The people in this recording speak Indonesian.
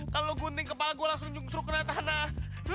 kalo lo gunting kepala gua langsung nyusruk kena tanah